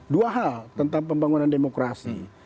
dua hal tentang pembangunan demokrasi